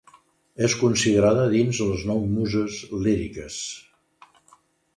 És considerada dins les nou muses líriques.